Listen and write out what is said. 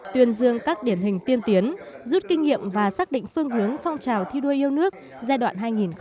tuyên dương các điển hình tiên tiến rút kinh nghiệm và xác định phương hướng phong trào thi đua yêu nước giai đoạn hai nghìn hai mươi hai nghìn hai mươi năm